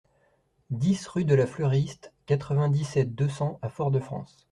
dix rue de la Fleuriste, quatre-vingt-dix-sept, deux cents à Fort-de-France